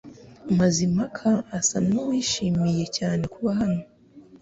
Mazimpaka asa nuwishimiye cyane kuba hano .